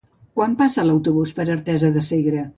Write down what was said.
Quan passa l'autobús per Artesa de Segre?